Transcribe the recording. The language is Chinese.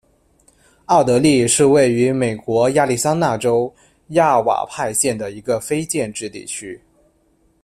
奥德利是位于美国亚利桑那州亚瓦派县的一个非建制地区。